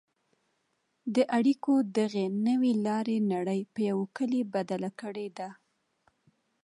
د اړیکو دغې نوې لارې نړۍ په یوه کلي بدله کړې ده.